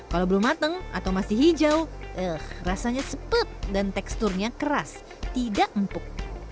kalau belum mateng atau masih hijau rasanya sepet dan teksturnya keras tidak empuk